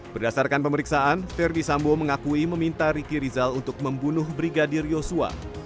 berdasarkan pemeriksaan verdi sambo mengakui meminta riki rizal untuk membunuh brigadir yosua